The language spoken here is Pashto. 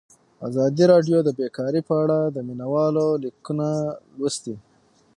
ازادي راډیو د بیکاري په اړه د مینه والو لیکونه لوستي.